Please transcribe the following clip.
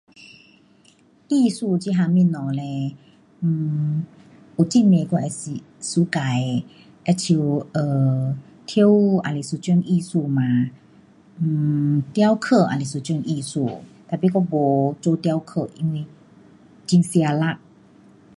艺术这样东西嘞，um 有很多我会 suka 的，好像跳舞也是一种艺术嘛，um 雕刻也是一种艺术，tapi 我没做雕刻。因为很吃力。